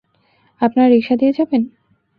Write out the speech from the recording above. আপনারা রিকশা দিয়ে যাবেন?